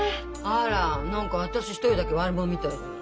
あら何か私一人だけ悪者みたいじゃない。